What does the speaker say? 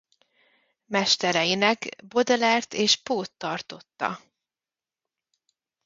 Mestereinek Baudelaire-t és Poe-t tartotta.